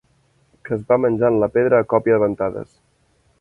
Que es va menjant la pedra a còpia de ventades.